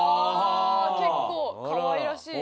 結構かわいらしい。